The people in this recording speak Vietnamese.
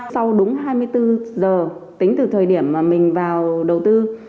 sau đúng hai mươi bốn giờ tính từ thời điểm mà mình vào đầu tư